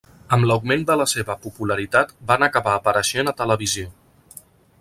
Amb l'augment de la seva popularitat van acabar apareixent a televisió.